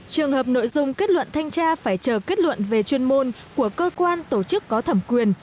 trường hợp nội dung kết luận thanh tra phải chờ kết luận về chuyên môn của cơ quan tổ chức có thẩm quyền